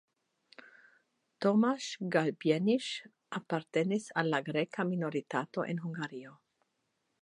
Tomasz Galbenisz apartenis al la greka minoritato en Hungario.